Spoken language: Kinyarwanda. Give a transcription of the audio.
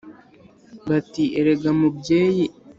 bati erega mubyeyi